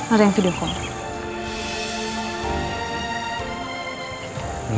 ada yang video call